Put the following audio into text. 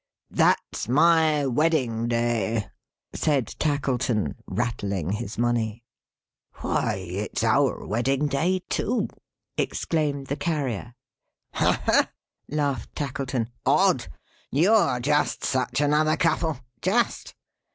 "That's my wedding day!" said Tackleton, rattling his money. "Why, it's our wedding day too," exclaimed the Carrier. "Ha ha!" laughed Tackleton. "Odd! You're just such another couple. Just!"